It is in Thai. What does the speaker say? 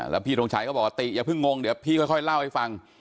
แล้วพี่ทงชัยก็บอกติอย่าเพิ่งงงเดี๋ยวพี่ค่อยเล่าให้ฟัง